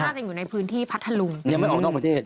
อยู่ในพื้นที่พัทธลุงยังไม่ออกนอกประเทศ